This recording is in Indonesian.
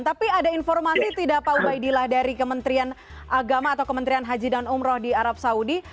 tapi ada informasi tidak pak ubaidillah dari kementerian agama atau kementerian haji dan umroh di arab saudi